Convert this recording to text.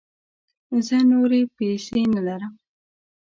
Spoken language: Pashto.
زه نوری پیسې نه لرم